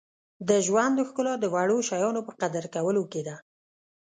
• د ژوند ښکلا د وړو شیانو په قدر کولو کې ده.